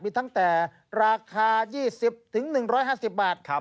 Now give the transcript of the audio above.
มีตั้งแต่ราคา๒๐๑๕๐บาท